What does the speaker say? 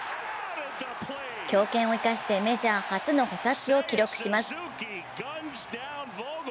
強肩を生かしてメジャー初の補殺を記録します。